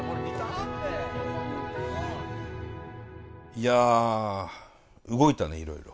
いや動いたねいろいろ。